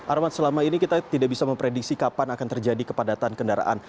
arman selama ini kita tidak bisa memprediksi kapan akan terjadi kepadatan kendaraan